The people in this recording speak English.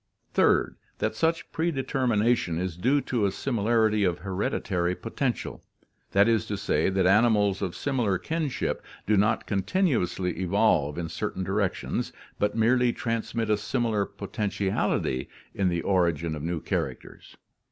"Third: That such predetermination is due to a similarity of hereditary potential. That is to say that animals of similar kin ship do not continuously evolve in certain directions, but merely transmit a similar potentiality in the origin of new characters.